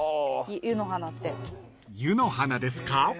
［湯の花ですか］